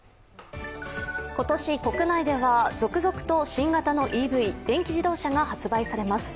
今年国内では続々と新型のＥＶ＝電気自動車が発売されます。